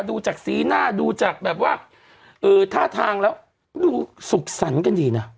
ดูจากสีหน้าดูจากแบบว่าท่าทางแล้วดูสุขสรรค์กันดีนะ